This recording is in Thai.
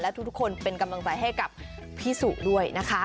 ทุกคนเป็นกำลังใจให้กับพี่สุด้วยนะคะ